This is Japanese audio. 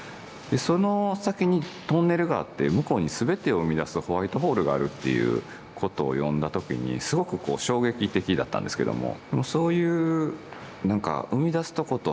その先にトンネルがあって向こうに全てを生み出すホワイトホールがあるっていうことを読んだ時にすごくこう衝撃的だったんですけども。